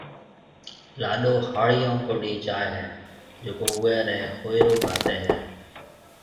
لاڏو ھاڙيون ڪوڊِي جائيَ ھيََََ جڪو اوئيَ رَي ھوئيرو گھاتيَ ھيََََ